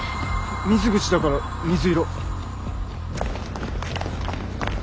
水口だから水色。